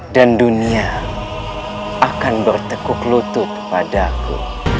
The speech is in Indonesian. dan dunia akan bertekuk lutut padaku